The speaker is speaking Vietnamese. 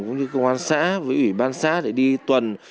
cũng như công an xã với ủy ban xã để đi tuần